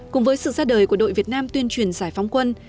cùng với sự ra đời của đội việt nam tuyên truyền giải phóng quân